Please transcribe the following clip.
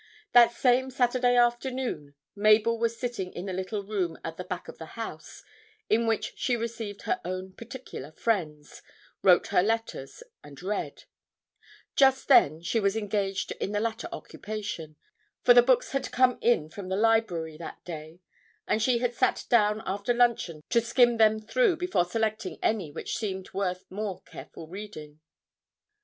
That same Saturday afternoon Mabel was sitting in the little room at the back of the house, in which she received her own particular friends, wrote her letters, and read; just then she was engaged in the latter occupation, for the books had come in from the library that day, and she had sat down after luncheon to skim them through before selecting any which seemed worth more careful reading.